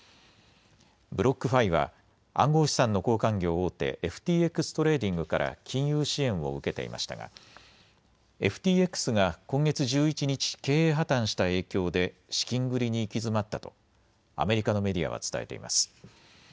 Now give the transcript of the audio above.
ブロックファイは暗号資産の交換業大手、ＦＴＸトレーディングから金融支援を受けていましたがＦＴＸが今月１１日、経営破綻した影響で資金繰りに行き詰まったとアメリカのメディアは伝えています。